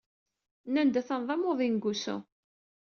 Nnan-d atan d amuḍin deg wusu.